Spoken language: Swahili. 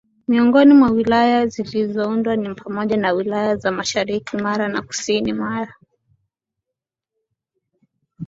Miongoni mwa Wilaya zilizoundwa ni pamoja na wilaya za mashariki Mara na kusini Mara